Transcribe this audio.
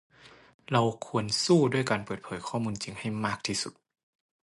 เราควรสู้ด้วยการเปิดเผยข้อมูลจริงให้มากที่สุด